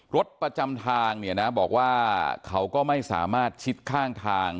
รถประจำทางเนี่ยนะบอกว่าเขาก็ไม่สามารถชิดข้างทาง